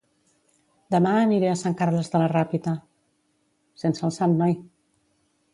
Dema aniré a Sant Carles de la Ràpita